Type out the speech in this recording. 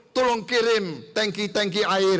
tolong kirim tanki tanki air